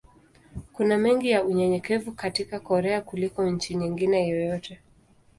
Kuna mengi ya unyenyekevu katika Korea kuliko nchi nyingine yoyote.